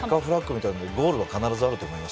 ゴールは必ずあると思います。